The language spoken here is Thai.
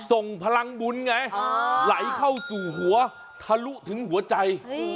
ส่งพลังบุญไงไหลเข้าสู่หัวทะลุถึงหัวใจ